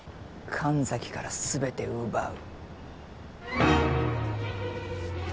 神崎から全て奪う。